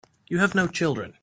You have no children.